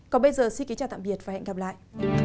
còn bây giờ xin kính chào tạm biệt và hẹn gặp lại